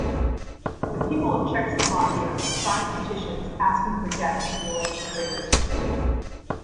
The people of Czechoslovakia signed petitions asking for death for the alleged traitors.